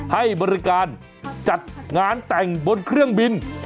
ให้บริการจัดงานแต่งบนเครื่องบิน